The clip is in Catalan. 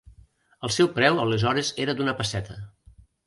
El seu preu aleshores era d’una pesseta.